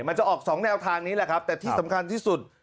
มันจะออกสองแนวทางนี้แหละครับแต่ที่สำคัญที่สุด